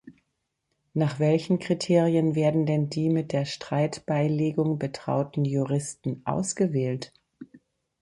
Nach welchen Kriterien werden denn die mit der Streitbeilegung betrauten Juristen ausgewählt?